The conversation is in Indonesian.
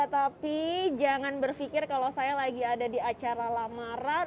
tapi jangan berpikir kalau saya lagi ada di acara lamaran